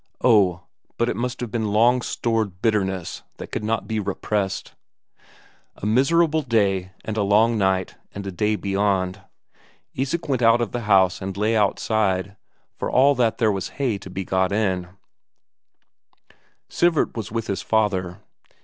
Oh, but it must have been long stored bitterness that would not be repressed. A miserable day, and a long night, and a day beyond. Isak went out of the house and lay outside, for all that there was hay to be got in; Sivert was with his father.